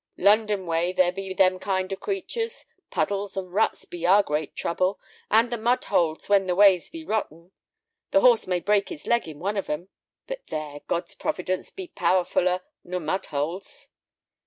"London way there be them kind of creatures. Puddles and ruts be our great trouble, and the mud holes when the ways be rotten. A horse may break his leg in one of 'em; but there, God's providence be powerfuller nor mud holes."